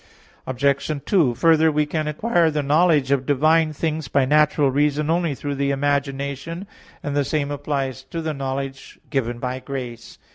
Obj. 2: Further, we can acquire the knowledge of divine things by natural reason only through the imagination; and the same applies to the knowledge given by grace.